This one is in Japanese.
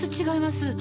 違います。